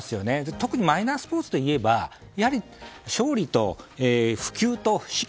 特にマイナースポーツといえばやはり、勝利と普及と資金。